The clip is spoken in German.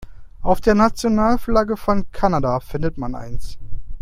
Auf der Nationalflagge von Kanada findet man eins.